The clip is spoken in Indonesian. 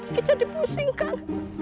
iya jadi pusing kan